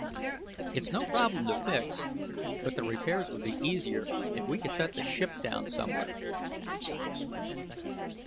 "It's no problem to fix. But repairs would be easier if we could set the ship down somewhere."